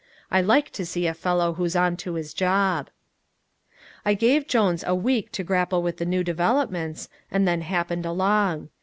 I like to see a fellow who's on to his job. I gave Jones a week to grapple with the new developments, and then happened along.